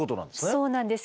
そうなんです。